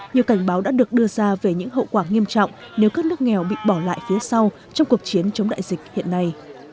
nhiều cảnh báo đã được đưa ra về những hậu quả nghiêm trọng nếu các nước nghèo bị bỏ lại phía sau trong cuộc chiến chống đại dịch hiện nay